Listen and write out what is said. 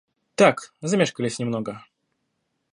Так, замешкались немного.